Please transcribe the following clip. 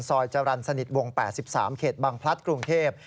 จรรย์สนิทวง๘๓เขตบังพลัดกรุงเทพ